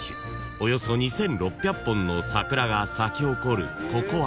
およそ２，６００本の桜が咲き誇るここは］